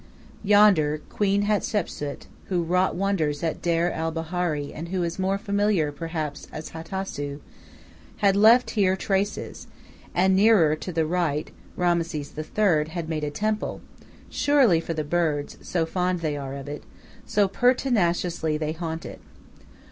Yonder Queen Hatshepsu, who wrought wonders at Deir el Bahari, and who is more familiar perhaps as Hatasu, had left there traces, and nearer, to the right, Rameses III. had made a temple, surely for the birds, so fond they are of it, so pertinaciously they haunt it.